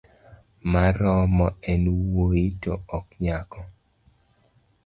Maromo en wuoyi to ok nyako